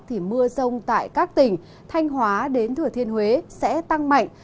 thì mưa rông tại các tỉnh thanh hóa đến thừa thiên huế sẽ tăng mạnh